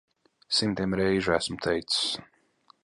Simtiem reižu esmu teicis.